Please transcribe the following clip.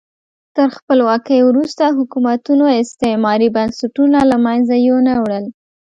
تر خپلواکۍ وروسته حکومتونو استعماري بنسټونه له منځه یو نه وړل.